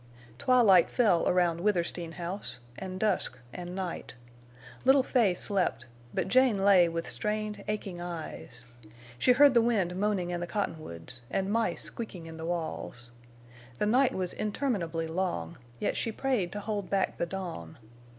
Twilight fell around Withersteen House, and dusk and night. Little Fay slept; but Jane lay with strained, aching eyes. She heard the wind moaning in the cottonwoods and mice squeaking in the walls. The night was interminably long, yet she prayed to hold back the dawn.